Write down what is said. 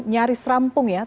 nyaris rampung ya